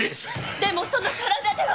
でもその体では。